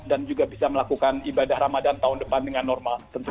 dan juga bisa melakukan ibadah ramadan tahun depan dengan normal tentunya